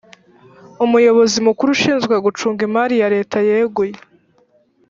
umuyobozi mukuru ushinzwe gucunga imari ya leta yeguye